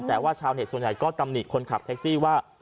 แต่ว่าชาวเน็ตส่วนใหญ่ก็ตำหนิคนขับแท็กซี่ว่า